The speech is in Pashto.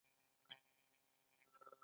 د چا دیدار په کار وي او د چا دینار په کار وي.